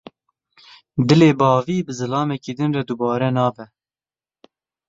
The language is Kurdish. Dilê bavî bi zilamekî din re dubare nabe.